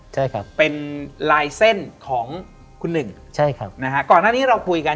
ใช่ครับเป็นลายเส้นของคุณหนึ่งใช่ครับนะฮะก่อนหน้านี้เราคุยกัน